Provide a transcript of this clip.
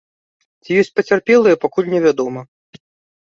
Ці ёсць пацярпелыя, пакуль невядома.